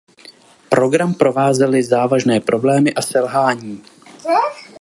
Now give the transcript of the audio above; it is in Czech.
Program provázely závažné problémy a selhání.